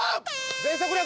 全速力！